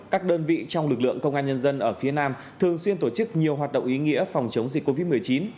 các đơn vị trong lực lượng công an nhân dân ở phía nam thường xuyên tổ chức nhiều hoạt động ý nghĩa phòng chống dịch covid một mươi chín